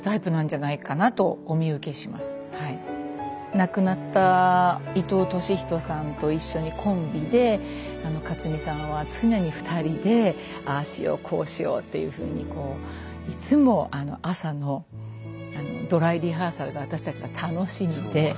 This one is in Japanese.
亡くなった伊藤俊人さんと一緒にコンビで克実さんは常に２人でああしようこうしようというふうにいつも朝のドライリハーサルが私たちは楽しみで。